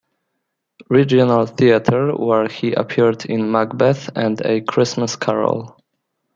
Regional Theatre, where he appeared in "Macbeth" and "A Christmas Carol".